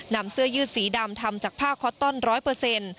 นำเสื้อยืดสีดำทำจากผ้าคอตตอน๑๐๐